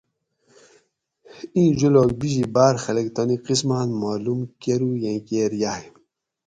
اِیں جولاگ بِیجی باۤر خلق تانی قسماۤت معلوم کروگیں کیر یاۤگ